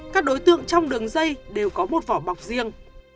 các đối tượng trong đường dây đều có một vỏ bọc riêng